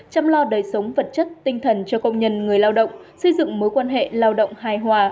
chăm lo đời sống vật chất tinh thần cho công nhân người lao động xây dựng mối quan hệ lao động hài hòa